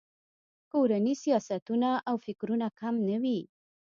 کورني سیاستونه او فکرونه کم نه وي.